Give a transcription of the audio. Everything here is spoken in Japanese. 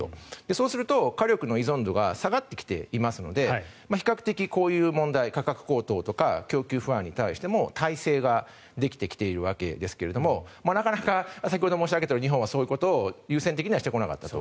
そうすると火力の依存度が下がってきているので比較的こういう問題価格高騰とか供給不安に対しても体制ができてきているわけですがなかなか先ほど申し上げたように日本はそういうことを優先的にはしてこなかったと。